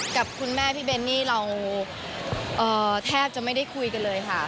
กับคุณแม่พี่เบ้นนี่เราแทบจะไม่ได้คุยกันเลยค่ะ